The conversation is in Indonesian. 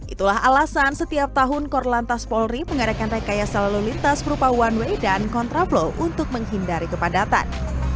itulah alasan setiap tahun korlantas polri mengadakan rekayasa lalu lintas berupa one way dan kontraflow untuk menghindari kepadatan